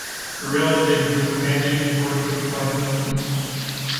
The real estate boom ended before he could start building.